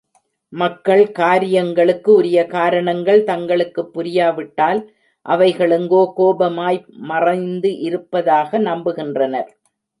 மக்கள் காரியங்களுக்கு உரிய காரணங்கள் தங்களுக்குப் புரியாவிட்டால், அவைகள் எங்கோ கோபமாயமாய் மறைந்திருப்பதாக நம்புகின்றனர்.